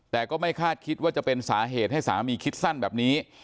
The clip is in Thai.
แต่ก็ไม่คาดคิดว่าจะเป็นสาเหตุให้สามีคิดสั้นแบบนี้